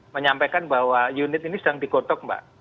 menyampaikan bahwa unit ini sedang digotok mbak